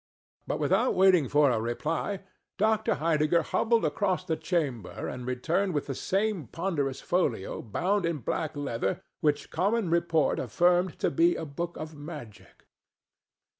But without waiting for a reply Dr. Heidegger hobbled across the chamber and returned with the same ponderous folio bound in black leather which common report affirmed to be a book of magic.